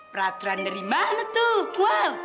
peraturan dari mana tuh kual